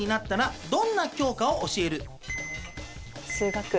数学。